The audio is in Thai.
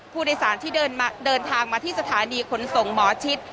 ผู้โดยสารที่เดินทางมาที่สถานีขนส่งหมอชิด